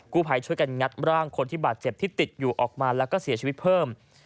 ผู้ภัยช่วยกันงัดร่างคนที่บาดเจ็บที่ติดอยู่ออกมาแล้วก็เสียชีวิตเพิ่ม